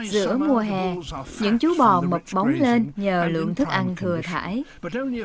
giữa mùa hè những chú bò mập bóng lên nhờ lượng thức thức của bò rừng